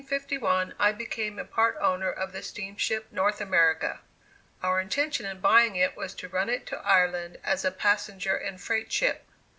In 1851 I became a part owner of the steamship "North America." Our intention in buying it was to run it to Ireland as a passenger and freight ship.